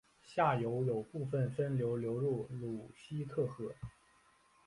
下游有部分分流流入鲁希特河。